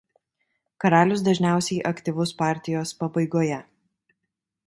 Karalius dažniausiai aktyvus partijos pabaigoje.